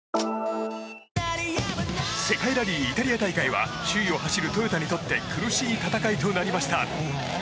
世界ラリーイタリア大会は首位を走るトヨタにとって苦しい戦いとなりました。